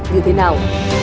như thế nào